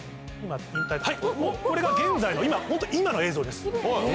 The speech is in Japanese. はいこれが現在のホント今の映像です。